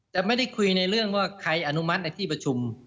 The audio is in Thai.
แต่ไม่ได้คุยในเรื่องว่าใครอนุมัติในที่ประชุม